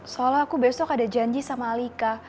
soalnya aku besok ada janji sama alika